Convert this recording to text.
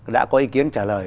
đã có ý kiến trả lời